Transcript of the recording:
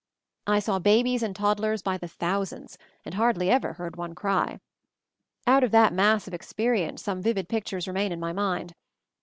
I saw babies and wee toddlers by the thousands, and hardly ever heard one cry! Out of that mass of experience some vivid pictures remain in my mind.